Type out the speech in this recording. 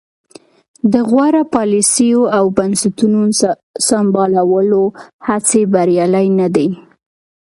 د غوره پالیسیو او بنسټونو سمبالولو هڅې بریالۍ نه دي.